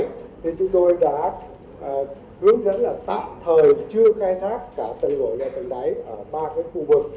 vì thế chúng tôi đã đối dẫn là tạm thời chưa khai thác cả tầng nổi và tầng đáy ở ba khu vực